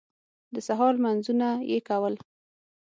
د سهار لمونځونه یې کول.